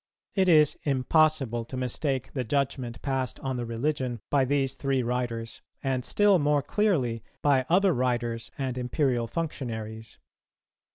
It is impossible to mistake the judgment passed on the religion by these three writers, and still more clearly by other writers and Imperial functionaries.